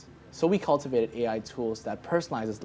jadi kami mempunyai alat ai yang mempengaruhi pengalaman pelajaran